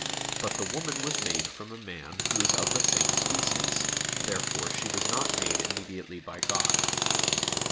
But the woman was made from a man who is of the same species. Therefore she was not made immediately by God.